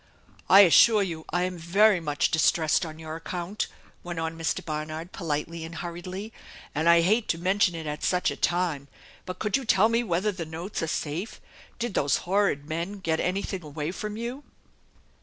" I assure you I am very much distressed on your account," went on Mr. Barnard, politely and hurriedly, " and I hate to mention it at such a time, but could you tell me whether the notes are safe? Did those horrid men get anything away from you?"